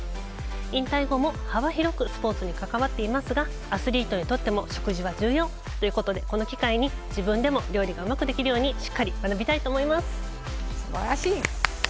引退後も幅広くスポーツに関わっていますがアスリートにとっても食事は重要ということでこの機会に自分でも料理がうまくなるようにすばらしい！